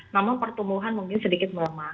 namun pertumbuhan mungkin sedikit melemah